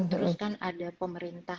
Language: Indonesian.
terus kan ada pemerintah